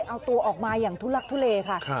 เอาตัวออกมาอย่างทุลักทุเลค่ะ